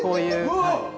うわっ！